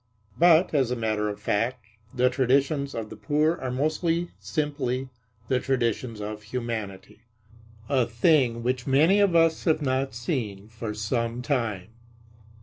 But, as a matter of fact, the traditions of the poor are mostly simply the traditions of humanity, a thing which many of us have not seen for some time.